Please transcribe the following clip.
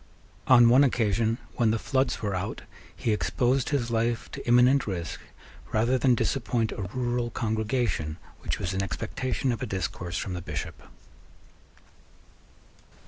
On one occasion, when the floods were out, he exposed his life to imminent risk rather than disappoint a rural congregation which was in expectation of a discourse from the Bishop.